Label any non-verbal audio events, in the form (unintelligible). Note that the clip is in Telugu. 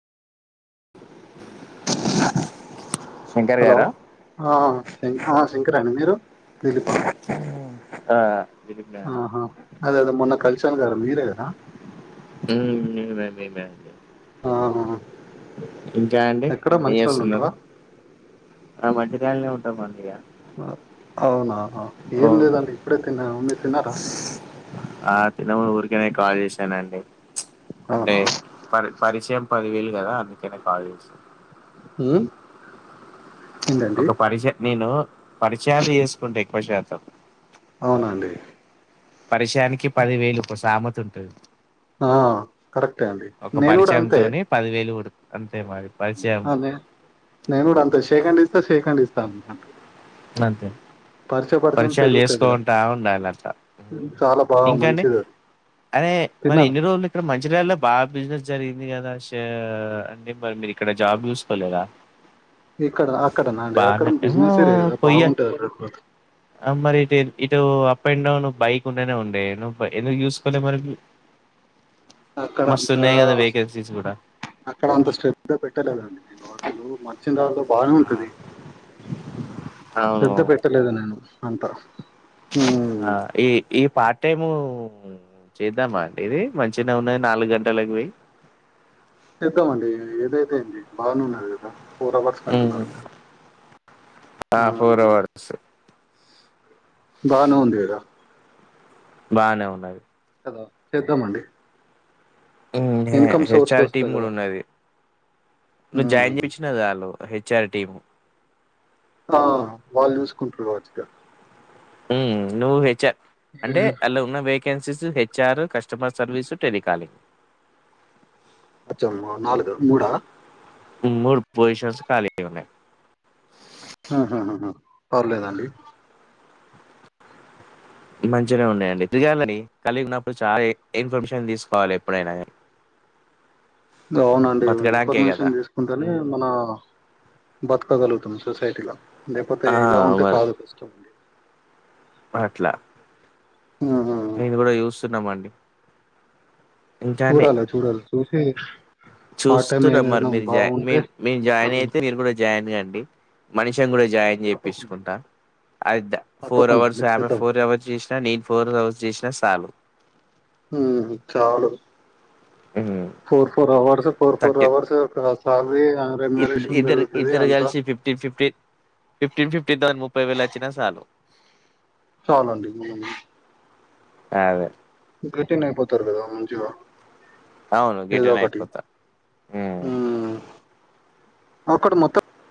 (inaudible) హలో ఆ శంక శంకరాండి మీరు దిలీపా ఉ ఆహా అదె అదె మొన్న కలిసన్ గా మీరే కదా మ్ నెమె నెమె ఆ ఇంకా అండి ఎక్కడ ఏం మంచిర్యాలలో చేస్తున్నారు ఉంటారా ఆ మధ్యకాళని ఉంటా కొందిగా అ్ అవునా ఏం ఓకే లేదండి ఇప్పుడే తిన్నాం మీరు తిన్నారా ఇనే కాల్ చేశానండి అంటే అవునా పరి పరిచయం పది వేలు కదా అందుకేనా కాల్ చేసాను మ్ ఒక పరిచయం నేను పరిచయాలు చేసుకుంటా ఎక్కువ శాతం అవునండి పరిచయానికి పది వేలు ఒక సామతె ఉంటుది ఆ కరెక్టే అండి ఒక నేను పరిచయంతోనే పదివేలు కొడు అదే నేను కూడా అంతే షేక్ హ్యాండ్ ఇస్తే షేక్ హ్యాండ్ ఇస్తా (unintelligible) అంతే పరిచయ పరిచయం పరిచయాలు పెరుగుతాయి కదా చేసుకోంటా ఉండాలాంట చాలా బాగా ఇంకా అండి మంచిది అది అదే మరి తిన్నారా ఇన్ని రోజులు ఇక్కడ మంచిరాళ్ళ బాగా బిజినెస్ జరిగింది కదా సే అంటే మరి మీరు ఇక్కడ జాబ్ చూసుకోలేరా ఇక్కడ అక్కడ నాండు అక్కడ బిజినెస్ ఏ లేదు పోయ్యా అ మరి అయితే ఇటు so up and down bike ఉండేనే ఉండే ఎందుకు చూసుకోలే మరి అక్కడ అంత మస్తున్నాయి గదా! వేకెన్సీస్ గూడా. అక్కడ అంత శ్రద్ధ పెట్టలేదండి నీ మాటలు నచ్చేలా అండి అవును. శ్రద్ధ పెట్టలేదు నేను అంత హ్మ్ ఆ ఏ ఏ పార్ట్ టైము చేద్దామా అండి ఇది మంచినే ఉన్నది నాలుగు గంటలకి పోయి చేద్దామండి ఏదైతే ఏంది బానే ఉన్నారు కదా ఫోర్ అవర్స్ హ్మ్. కంటున్నారు మీరు ఆ! అవర్స్ బానే ఉంది కదా బానే ఉన్నాయి చేద్దామండి ఇన్కమ్ సోర్స్ హెచ్ఆర్ టీమ్ వస్తాయి కూడా కదా ఉన్నది నువ్వు జాయిన్ హ్మ్ చేపించినవ్ వాళ్ళు హెచ్ ఆర్ టీము ఆ వాళ్ళు చూసుకుంటారు కావచ్చు ఇగా మ్మ్ నువ్వు హెచ్ఆర్ అంటే అలా ఉన్న వేకెన్సీస్ హెచ్చు H R customer service telecalling నాలుగ మూడా ఉన్నొడు పొజిషన్స్ కళీగున్నాయి ఉహుహు పర్లేదండి మంచిగా ఉన్నాయండి దిగాంని కలిగినప్పుడు చాలా ఇన్ఫర్మేషన్ తీసుకోవాలి ఎప్పుడైనా గాని అవునండి బతకడానికే కదా! ఇన్ఫర్మేషన్ తీసుకుంటేనే హ్మ్. మన బతకగలుగుతాం సొసైటీలో లేకపోతే ఆ! ఇలా ఉంటే మరి కాదు కష్టం అట్లా హ్మ్ నేను కూడా చూస్తున్నాం అండి చూడాల చూడాల చూసి పార్ట్ టైం చూస్తున్నా మరి ఏదైనా మీరు బాగుంటే నిను జాయిన్ చాలా అయితే మీరు కూడా జాయిన్ అవ్వండి మనిష్ మెత్తం కూడా జాయిన్ తప్పకుండా అండి చెపించుకుంటా ఫోర్ తప్పకుండా అవర్స్ అండి ఆమె చేద్దాం ఫోర్ అవర్స్ చేసినా నేను ఫోర్ అవర్స్ చేసినా చాలు హ్మ్ చాలు హ్మ్. Four four hours four four hours ఒకర ఇ ఇద్దరు ఇద్దరు అంతా గల్సి ఫిఫ్టీన్ ఫిఫ్టీన్ ఫిఫ్టీన్ ఫిఫ్టీన్ ద ముప్పై వేలు వచ్చినా చాలు చాల అండి ఉను అదే గెటిన్ అయిపోతారు కదా మనుచులు అవును ఏదో గిట్టనే ఒకటి అయిపోతా ఉమ్ ఒకటి మొత్తం